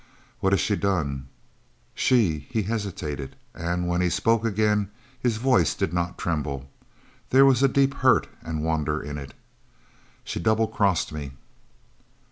"What has she done?" "She " he hesitated, and when he spoke again his voice did not tremble; there was a deep hurt and wonder in it: "She double crossed me!"